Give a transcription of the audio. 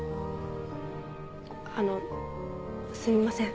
あのすみません